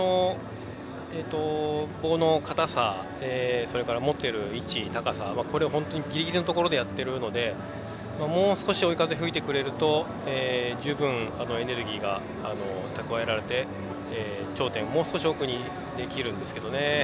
棒の硬さ持っている位置、高さはこれ本当にぎりぎりのところでやっているのでもう少し追い風吹いてくれると十分、エネルギーが蓄えられて頂点、もう少し奥にできるんですけどね。